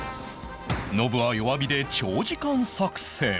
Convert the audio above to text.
ノブは弱火で長時間作戦